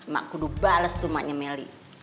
mak kudu bales tuh maknya meli